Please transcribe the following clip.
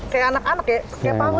kayak anak anak ya kayak pahut jadinya pak